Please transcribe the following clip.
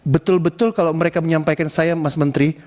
betul betul kalau mereka menyampaikan saya mas menteri